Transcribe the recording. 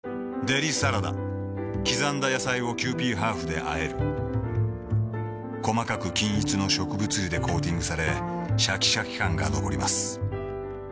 デリサラダ刻んだ野菜をキユーピーハーフであえる細かく均一の植物油でコーティングされシャキシャキ感が残ります